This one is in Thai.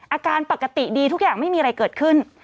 อาการปกติดีทุกอย่างไม่มีอะไรเกิดขึ้น